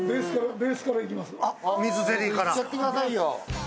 行っちゃってくださいよ。